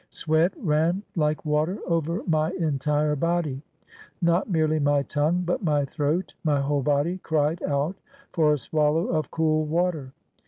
Sweat ran like water over my entire body. Not merely my tongue, but my throat, my whole body, cried out for a swallow of cool water.